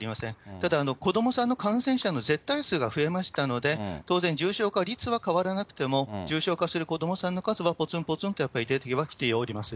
ただ、子どもさんの感染者の絶対数が増えましたので、当然重症化率は変わらなくても、重症化する子どもさんの数は、ぽつんぽつんとやっぱり出てきてはおります。